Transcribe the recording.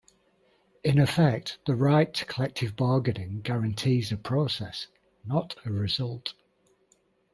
In effect, the right to collective bargaining guarantees a process, not a result.